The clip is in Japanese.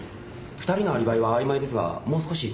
２人のアリバイは曖昧ですがもう少し詳しく調べますか？